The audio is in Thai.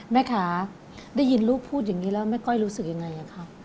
แม่ค้าได้ยินลูกพูดอย่างนี้แล้วแม่ก้อยรู้สึกยังไงครับ